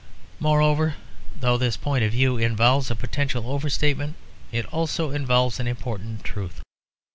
Moreover, though this point of view involves a potential overstatement, it also involves an important truth.